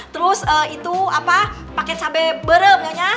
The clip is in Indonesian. terus itu apa paket cabai berem nyonya